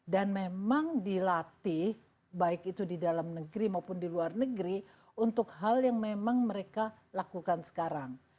dan memang dilatih baik itu di dalam negeri maupun di luar negeri untuk hal yang memang mereka lakukan sekarang